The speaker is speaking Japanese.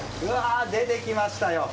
出てきましたよ！